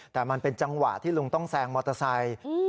แต่มันเป็นจังหวะที่ลุงต้องแซงมอเตอร์ไซค์